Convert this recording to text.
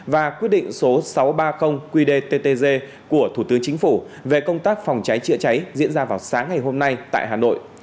và quyết định số sáu trăm ba mươi qdttg của thủ tướng chính phủ về công tác phòng cháy chữa cháy diễn ra vào sáng ngày hôm nay tại hà nội